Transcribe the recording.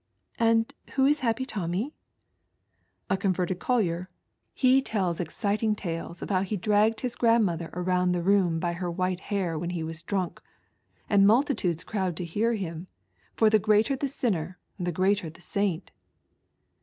" And who is Happy Tommy ?"" A converted collier. He tells exciting tales af how he dragged his grandmother round the room by WHY I CAME 1 IS r white hair when he was dnmkj and multitudes Koiowd to hear him, for the greater the sinner the ■.greater the saint."